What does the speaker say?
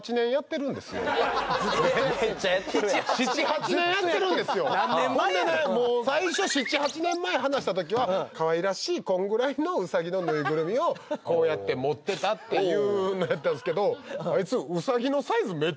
ほんでねもう最初７８年前話した時は可愛らしいこのぐらいのうさぎのぬいぐるみをこうやって持ってたっていうのやったんですけどあいつ。